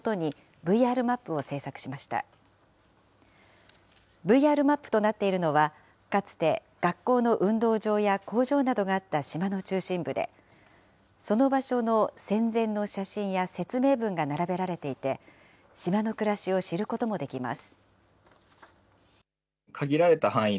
ＶＲマップとなっているのは、かつて学校の運動場や工場などがあった島の中心部で、その場所の戦前の写真や説明文が並べられていて、島の暮らしを知ることもできます。